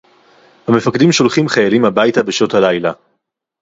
המפקדים שולחים חיילים הביתה בשעות הלילה